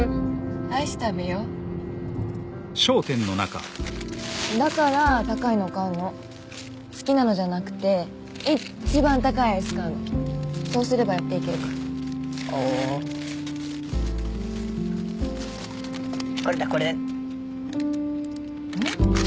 アイス食べよだから高いのを買うの好きなのじゃなくていっちばん高いアイス買うのそうすればやっていけるからほうーこれだこれえっ？